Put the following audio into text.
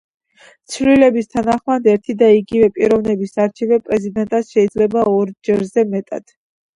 ცვლილების თანახმად, ერთი და იგივე პიროვნების არჩევა პრეზიდენტად შეიძლება ორ ჯერზე მეტად.